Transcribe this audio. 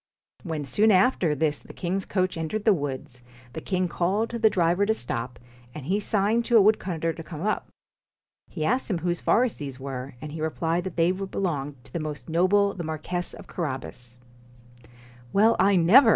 When soon after this the king's coach entered the woods, the king called to the driver to stop, and he signed to a woodcutter to come up. He asked him whose forests these were, and he re plied that they belonged to the most noble the Marquess of Carabas. 1 Well, I never